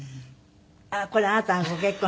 あっこれあなたがご結婚。